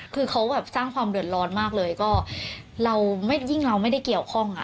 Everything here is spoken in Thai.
คือเขาแบบสร้างความเดือดร้อนมากเลยก็เราไม่ยิ่งเราไม่ได้เกี่ยวข้องอ่ะ